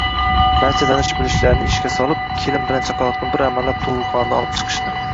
Barcha tanish-bilishlarini ishga solib, kelin bilan chaqaloqni bir amallab tug`ruqxonadan olib chiqishdi